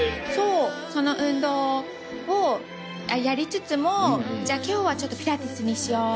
その運動をやりつつも今日はちょっとピラティスにしよう。